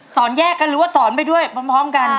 สอนแยกกันหรือว่าสอนไปด้วยพร้อมกัน